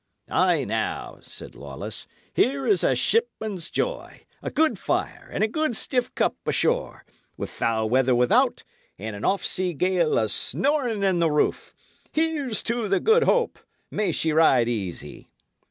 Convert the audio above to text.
"Ay, now," said Lawless, "here is a shipman's joy a good fire and a good stiff cup ashore, with foul weather without and an off sea gale a snoring in the roof! Here's to the Good Hope! May she ride easy!"